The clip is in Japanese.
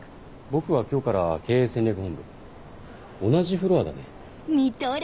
僕は今日から経営戦略本部同じフロアだね。